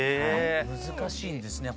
難しいんですね